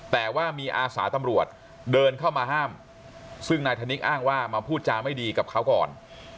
แต่ว่ามีอาสาตำรวจเดินเข้ามาห้ามซึ่งนายธนิกอ้างว่ามาพูดจาไม่ดีกับเขาก่อน